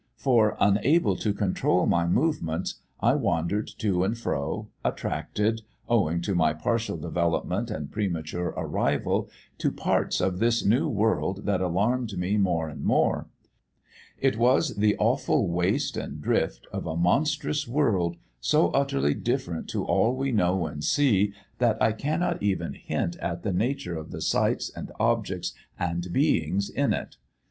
For, unable to control my movements, I wandered to and fro, attracted, owing to my partial development and premature arrival, to parts of this new world that alarmed me more and more. It was the awful waste and drift of a monstrous world, so utterly different to all we know and see that I cannot even hint at the nature of the sights and objects and beings in it.